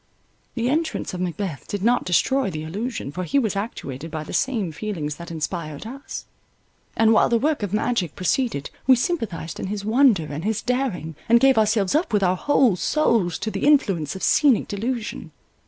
The entrance of Macbeth did not destroy the illusion, for he was actuated by the same feelings that inspired us, and while the work of magic proceeded we sympathized in his wonder and his daring, and gave ourselves up with our whole souls to the influence of scenic delusion.